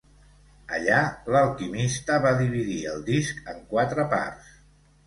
Allà, l'Alquimista va dividir el disc en quatre parts.